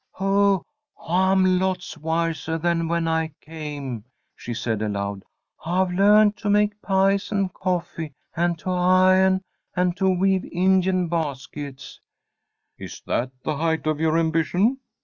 "Oh, I'm lots wiseah than when I came," she said, aloud. "I've learned to make pies and coffee, and to i'on, and to weave Indian baskets." "Is that the height of your ambition?"